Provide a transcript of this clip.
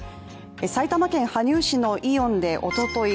埼玉県羽生市のイオンでおととい